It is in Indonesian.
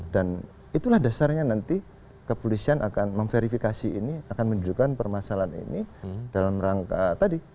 dan itulah dasarnya nanti kepolisian akan memverifikasi ini akan menjadikan permasalahan ini dalam rangka tadi